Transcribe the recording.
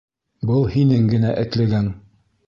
— Был һинең генә этлегең!